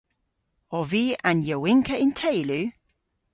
Ov vy an yowynkka y'n teylu?